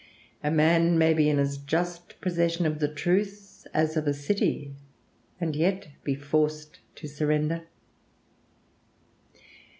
A man may be in as just possession of the truth as of a city, and yet be forced to surrender."